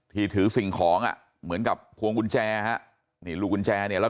ที่ถือสิ่งของอ่ะเหมือนกับพวงกุญแจฮะนี่ลูกกุญแจเนี่ยแล้ว